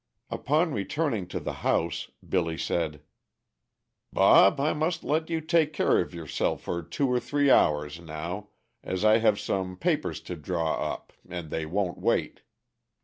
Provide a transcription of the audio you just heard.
Upon returning to the house Billy said: "Bob I must let you take care of yourself for two or three hours now, as I have some papers to draw up and they won't wait.